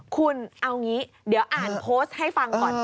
คุณเอางี้เดี๋ยวอ่านโพสต์ให้ฟังก่อน